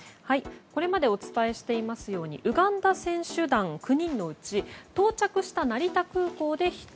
これまでお伝えしていますようにウガンダ選手団９人のうち到着した成田空港で１人。